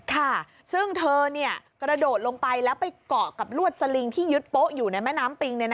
ค่ะซึ่งเธอกระโดดลงไปแล้วไปเกาะกับลวดสลิงที่ยึดโป๊ะอยู่ในแม่น้ำปิง